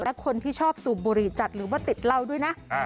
และคนที่ชอบสูบบุหรี่จัดหรือว่าติดเหล้าด้วยนะ